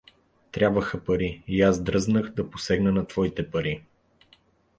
Трябваха пари… и аз дръзнах да посегна на твоите пари.